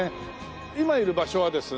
今いる場所はですね